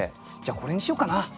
これにしようかな。